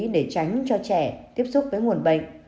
để tránh cho trẻ tiếp xúc với nguồn bệnh